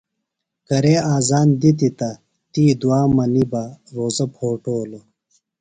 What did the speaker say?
کرے اذان دِتیۡ تہ تی دُعا منی بہ روزہ پھوٹولوۡ۔